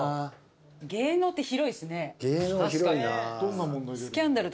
芸能って広いですね。